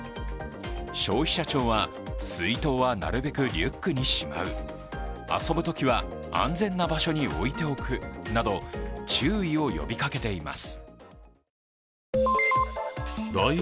消費者庁は、水筒はなるべくリュックにしまう、遊ぶときは安全な場所に置いておくなど注意を呼びかけています。